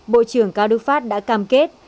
bộ trưởng cao đức phát đã cam kết